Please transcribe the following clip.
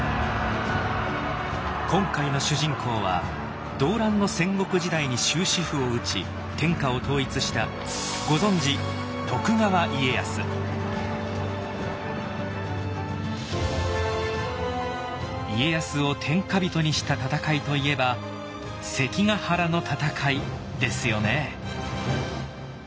今回の主人公は動乱の戦国時代に終止符を打ち天下を統一したご存じ家康を天下人にした戦いといえば関ヶ原の戦いですよね。